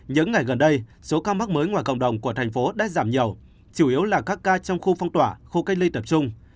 những ngày gần đây số ca mắc mới ngoài cộng đồng của thành phố đã giảm nhiều chủ yếu là các ca trong khu phong tỏa khu cách ly tập trung